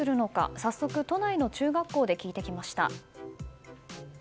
早速、都内の中学校で聞いてきました。